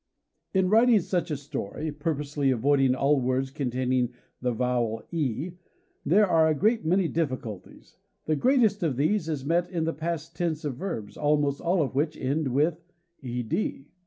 In writing such a story, purposely avoiding all words containing the vowel E, there are a great many difficulties. The greatest of these is met in the past tense of verbs, almost all of which end with " ed."